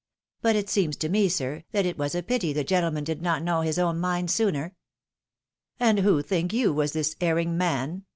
" But it seems to me, sir, that it was a pity the . gentleman did not know his own mind sooner." ," And who, think you, was this erring man?